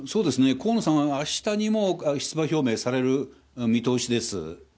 河野さん、あしたにも出馬表明される見通しです。